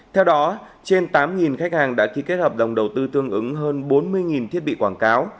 theo đó trên tám khách hàng đã ký kết hợp đồng đầu tư tương ứng hơn bốn mươi thiết bị quảng cáo